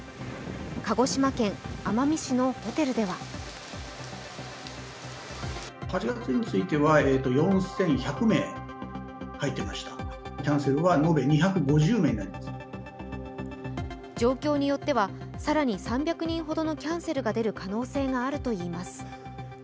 鹿児島県奄美市のホテルでは状況によっては更に３００人ほどのキャンセルが出る可能性があるといいます。